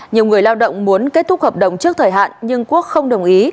nhiều người lao động muốn kết thúc hợp đồng trước thời hạn nhưng quốc không đồng ý